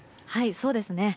そうですね。